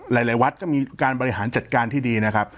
หลายวัดก็มีการบริหารจัดการที่ดีนะครับ